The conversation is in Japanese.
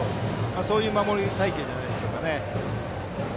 そういう守り隊形じゃないでしょうか。